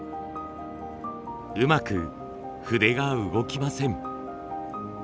うまく筆が動きません。